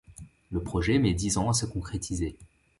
Le projet met dix ans à se concrétiser.